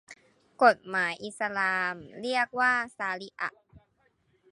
กฎหมายอิสลามเรียกว่าชาริอะฮ์